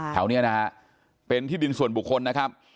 แถวนี้นะฮะเป็นที่ดินส่วนบุคคลนะครับ